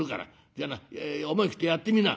じゃあな思い切ってやってみな」。